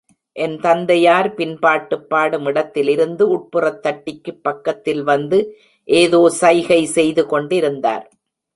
என் தந்தையார் பின்பாட்டுப் பாடும் இடத்திலிருந்து உட்புறத் தட்டிக்குப் பக்கத்தில் வந்து, ஏதோ சைகை செய்து கொண்டிருந்தார்.